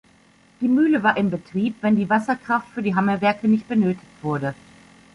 Die Mühle war in Betrieb, wenn die Wasserkraft für die Hammerwerke nicht benötigt wurde.